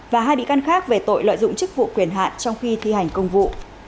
và hai bị can khác về tội lợi dụng chức vụ quyền hạn trong khi thi hành công vụ